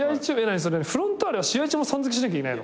フロンターレは試合中もさん付けしなきゃいけないの？